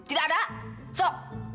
tidak ada sok